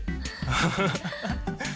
ハハハハ。